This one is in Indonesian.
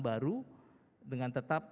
baru dengan tetap